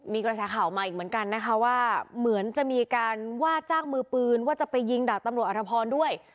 มีกระแสข่าวมาอีกเหมือนกันนะคะว่าเหมือนจะมีการว่าจ้างมือปืนว่าจะไปยิงดาบตำรวจอธพรด้วย